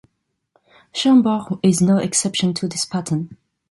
Chambord is no exception to this pattern.